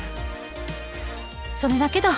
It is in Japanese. それだけだ。